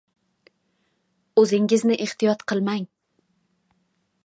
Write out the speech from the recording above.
O‘zingizni ehtiyot qilmang